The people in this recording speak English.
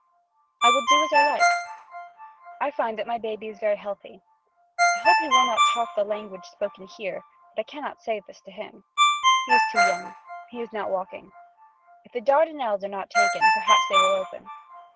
I will do as I like. I find that my baby is very healthy. I hope he will not talk the language spoken here but I can not say this to him. He is too young. He is not walking. If the Dardenelles are not taken perhaps they will open.